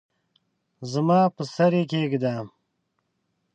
زما پر سر یې کښېږده !